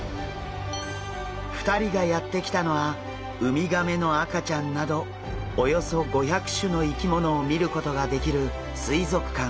２人がやって来たのはウミガメの赤ちゃんなどおよそ５００種の生き物を見ることができる水族館。